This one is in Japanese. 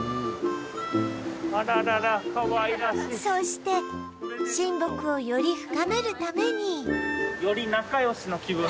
そして親睦をより深めるために